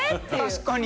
確かに。